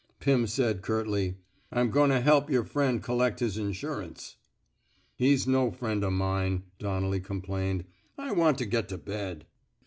Pirn said, curtly: I'm goin' to help yer friend collect his insurance." He's no friend o' mine," Donnelly com plained. ^^ I want to get to bed."